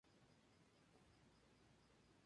Se considerándose una modalidad del trekking.